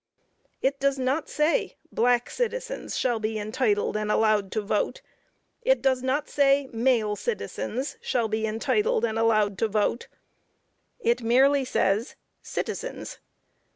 It does not say black citizens shall be entitled and allowed to vote; it does not say male citizens shall be entitled and allowed to vote it merely says CITIZENS.